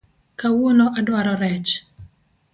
Kawuono adwaro rech